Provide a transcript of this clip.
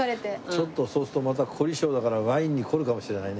ちょっとそうするとまた凝り性だからワインに凝るかもしれないね。